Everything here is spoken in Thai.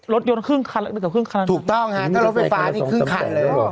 รถยนต์ครึ่งคันเกือบครึ่งคันถูกต้องฮะถ้ารถไฟฟ้านี่ครึ่งคันเลย